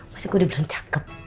pas gue dia bilang cakep